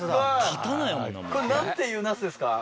これ何ていうなすですか？